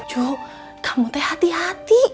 joh kamu teh hati hati